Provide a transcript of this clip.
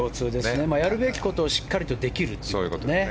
やることがしっかりできるということですね。